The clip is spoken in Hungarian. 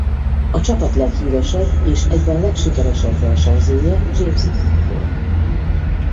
A csapat leghíresebb és egyben legsikeresebb versenyzője James Hunt volt.